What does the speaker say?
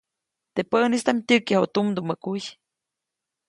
Teʼ päʼnistaʼm tyäkyaju tumdumä kuy.